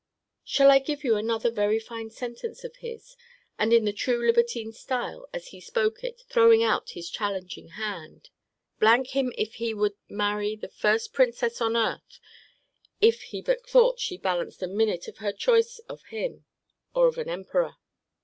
Shall I give you another very fine sentence of his, and in the true libertine style, as he spoke it, throwing out his challenging hand? 'D n him, if he would marry the first princess on earth, if he but thought she balanced a minute in her choice of him, or of an emperor.'